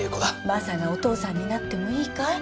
マサがお父さんになってもいいかい？